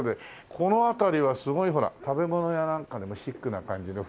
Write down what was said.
この辺りはすごいほら食べ物屋なんかでもシックな感じの雰囲気のあるね。